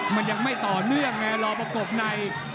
มันยังไม่ต่อเนื่องไงรอประกบใน